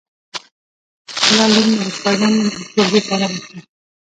ښکلا لور می له شپږم ټولګی فارغه شوه